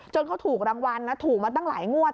เขาถูกรางวัลนะถูกมาตั้งหลายงวด